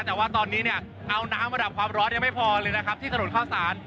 แต่ว่าตอนนี้เนี่ยเอาน้ำมาดับความร้อนยังไม่พอเลยนะครับที่ถนนเข้าสาร